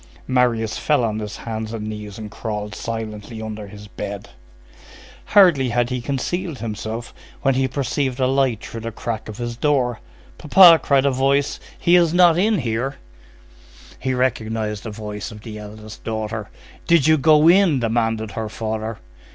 Marius fell on his hands and knees and crawled silently under his bed. Hardly had he concealed himself, when he perceived a light through the crack of his door. "P'pa," cried a voice, "he is not in here." He recognized the voice of the eldest daughter. "Did you go in?" demanded her father.